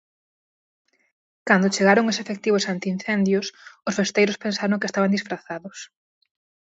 Cando chegaron os efectivos antiincendios, os festeiros pensaron que estaban disfrazados.